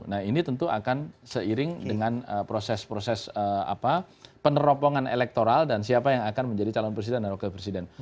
nah ini tentu akan seiring dengan proses proses peneropongan elektoral dan siapa yang akan menjadi calon presiden dan wakil presiden